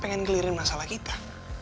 ngelirin masalah kita